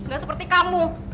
gak seperti kamu